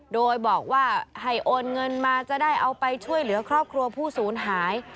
โดยบอกว่าให้โอนเงินมาจะได้เอาไปช่วยเหลือครอบครัวผู้ศูนย์หาย